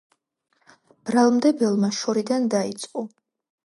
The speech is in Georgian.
ბრალმდებელმა შორიდან დაიწყო.